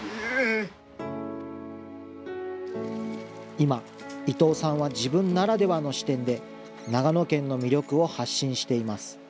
今、伊藤さんは自分ならではの視点で、長野県の魅力を発信しています。